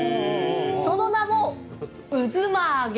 その名も、うづまあげ。